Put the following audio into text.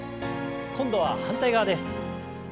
今度は反対側です。